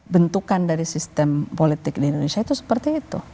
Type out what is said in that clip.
bentukan dari sistem politik di indonesia itu seperti itu